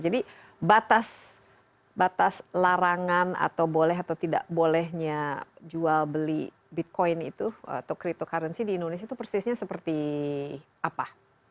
jadi batas larangan atau boleh atau tidak bolehnya jual beli bitcoin itu atau cryptocurrency di indonesia itu persisnya seperti apa